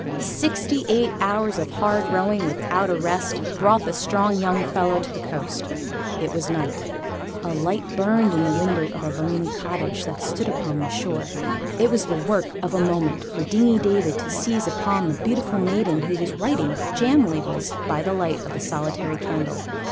Sixty eight hours of hard rowing, without a rest, brought the strong young fellow to the coast. It was night. [Illustration: Pause excited reader.] A light burned in the window of the lonely cottage that stood upon the shore. It was the work of a moment for Dingy David to seize upon the beautiful maiden who was writing jam labels, by the light of a solitary candle.